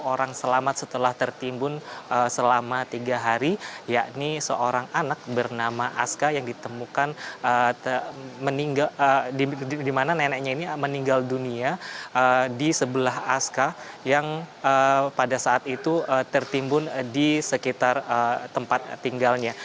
delapan orang selamat setelah tertimbun selama tiga hari yakni seorang anak bernama aska yang ditemukan di mana neneknya ini meninggal dunia di sebelah aska yang pada saat itu tertimbun di sekitar tempat tinggalnya